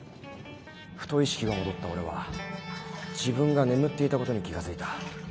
ふと意識が戻った俺は自分が眠っていたことに気が付いた。